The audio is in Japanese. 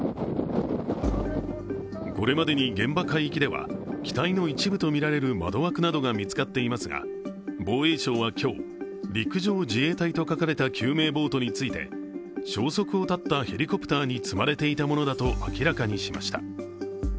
これまでに現場海域では機体の一部とみられる窓枠などが見つかっていますが、防衛省は今日、陸上自衛隊と書かれた救命ボートについて消息を絶ったヘリコプターに積まれていたものだと明らかにしました。